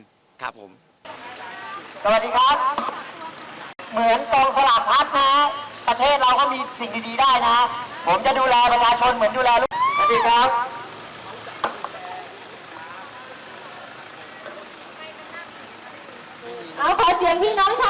สวัสดีครับเหมือนตัวแสละพันธ์นะประเทศเราก็มีสิ่งดีดีได้นะ